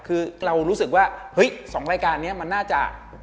คือเรารู้สึกว่าเฮ้ย๒รายการนี้มันน่าจะ